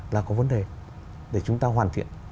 là có vấn đề để chúng ta hoàn thiện